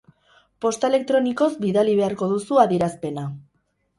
Posta elektronikoz bidali beharko duzu adierazpena.